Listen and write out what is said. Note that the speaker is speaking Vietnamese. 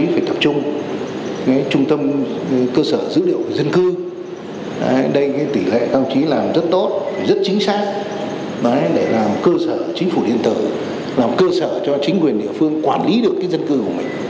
phải làm rất tốt rất chính xác để làm cơ sở chính phủ điện tử làm cơ sở cho chính quyền địa phương quản lý được dân cư của mình